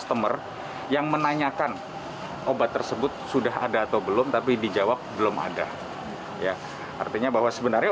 obatnya seperti ini